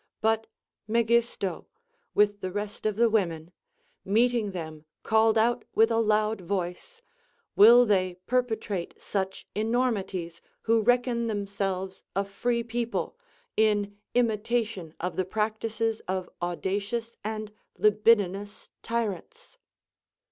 But Megisto, with the rest of the women, meeting them called out with a loud voice : Will they perpetrate such enormities who reckon themselves a free people, in imitation of the practices of audacious and libidinous tyrants?